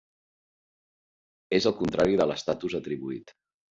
És el contrari de l'estatus atribuït.